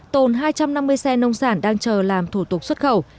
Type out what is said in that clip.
tồn hai trăm năm mươi xe nông sản đang chờ làm thủ tục xuất khẩu